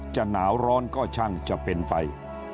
จะหนาวร้อนก็ช่างจะเป็นไป